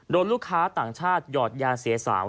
ลูกค้าต่างชาติหยอดยาเสียสาว